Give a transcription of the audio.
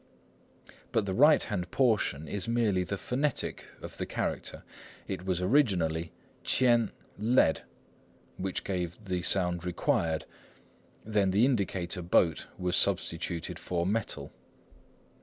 But the right hand portion is merely the phonetic of the character; it was originally 铅 "lead," which gave the sound required; then the indicator "boat" was substituted for "metal."